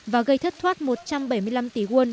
và gây thất thoát một trăm bảy mươi năm tỷ won